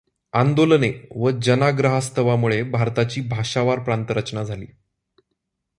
आंदोलने व जनाग्रहास्तवामुळे भारताची भाषावार प्रांतरचना झाली.